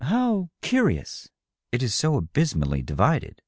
" How, curious ?"" It is so abysmally divided.